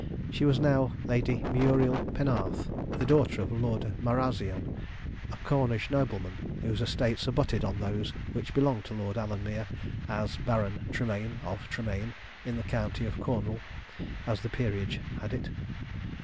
She was now Lady Muriel Penarth, the daughter of Lord Marazion, a Cornish nobleman, whose estates abutted on those which belonged to Lord Alanmere as Baron Tremayne, of Tremayne, in the county of Cornwall, as the Peerage had it.